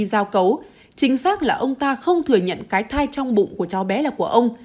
giao cấu chính xác là ông ta không thừa nhận cái thai trong bụng của cháu bé là của ông